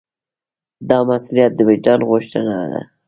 دا مسوولیت د وجدان غوښتنه ده.